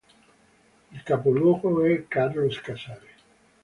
Il capoluogo è Carlos Casares.